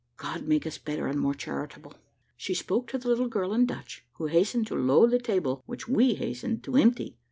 God make us better and more charitable!" She spoke to the little girl in Dutch, who hastened to load the table, which we hastened to empty.